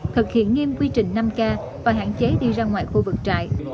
thực hiện nghiêm quy trình năm k và hạn chế đi ra ngoài khu vực trại